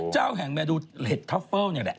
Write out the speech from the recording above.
เจ้าแห่งเมนูเหล็ดท็อฟเฟิลนี่แหละ